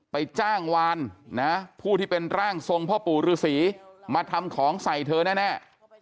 จ้างวานนะผู้ที่เป็นร่างทรงพ่อปู่ฤษีมาทำของใส่เธอแน่